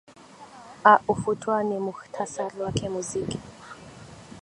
a ufuatao ni muhtasari wake muziki